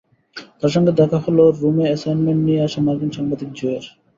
তার সঙ্গে দেখা হলো রোমে অ্যাসাইনমেন্ট নিয়ে আসা মার্কিন সাংবাদিক জোয়ের।